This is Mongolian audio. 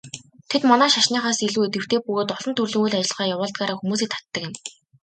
Тэд манай шашныхаас илүү идэвхтэй бөгөөд олон төрлийн үйл ажиллагаа явуулдгаараа хүмүүсийг татдаг юм.